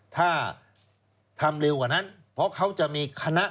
ถ้าทำเร็วกว่านั้นเพราะเขาจะมีคณะ